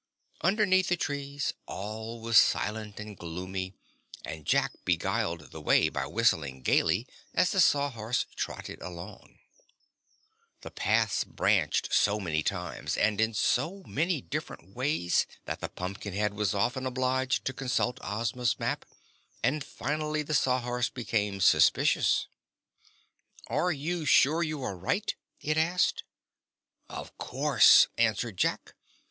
Underneath the trees all was silent and gloomy and Jack beguiled the way by whistling gayly as the Sawhorse trotted along. The paths branched so many times and in so many different ways that the Pumpkinhead was often obliged to consult Ozma's map, and finally the Sawhorse became suspicious. "Are you sure you are right?" it asked. "Of course," answered Jack.